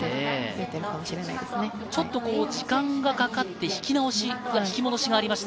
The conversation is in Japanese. ちょっと時間がかかって引き直し、引き戻しがありました。